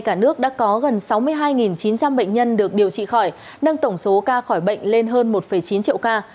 cả nước đã có gần sáu mươi hai chín trăm linh bệnh nhân được điều trị khỏi nâng tổng số ca khỏi bệnh lên hơn một chín triệu ca